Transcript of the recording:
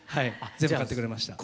全部買ってくれました。